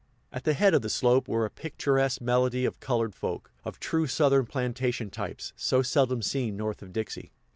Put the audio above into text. At the head of the slope were a picturesque medley of colored folk, of true Southern plantation types, so seldom seen north of Dixie.